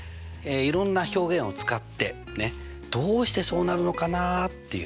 いろんな表現を使ってどうしてそうなるのかなっていうね